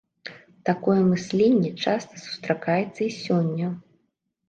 Такое мысленне часта сустракаецца і сёння.